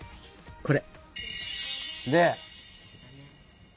これ。